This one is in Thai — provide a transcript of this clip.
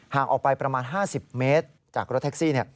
ออกไปประมาณ๕๐เมตรจากรถแท็กซี่